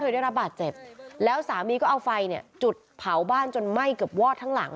ได้รับบาดเจ็บแล้วสามีก็เอาไฟเนี่ยจุดเผาบ้านจนไหม้เกือบวอดทั้งหลัง